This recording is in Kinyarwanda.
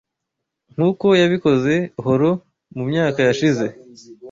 nk'uko yabikoze Horo mu myaka yashize